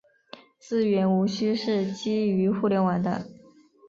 资源无需是基于互联网的。